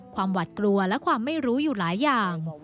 หวัดกลัวและความไม่รู้อยู่หลายอย่าง